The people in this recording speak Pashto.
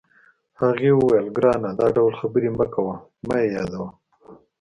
هغې وویل: ګرانه، دا ډول خبرې مه کوه، مه یې یادوه.